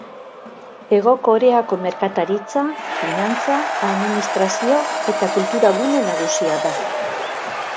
Hego Koreako merkataritza, finantza, administrazio eta kultura gune nagusia da.